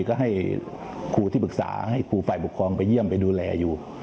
ก็ให้ครูที่ปรึกษาให้ครูฝ่ายปกครองไปเยี่ยมไปดูแลอยู่